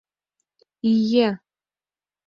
- Ие.